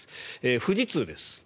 富士通です。